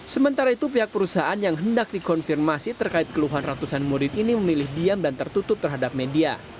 sementara itu pihak perusahaan yang hendak dikonfirmasi terkait keluhan ratusan murid ini memilih diam dan tertutup terhadap media